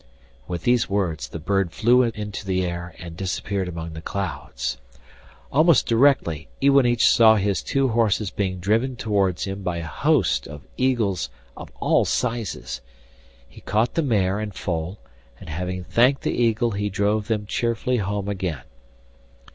With these words the bird flew up into the air and disappeared among the clouds. Almost directly Iwanich saw his two horses being driven towards him by a host of eagles of all sizes. He caught the mare and foal, and having thanked the eagle he drove them cheerfully home again.